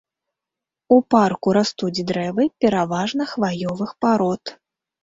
У парку растуць дрэвы пераважна хваёвых парод.